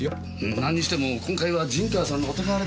なんにしても今回は陣川さんのお手柄ですな。